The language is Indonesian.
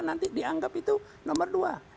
nanti dianggap itu nomor dua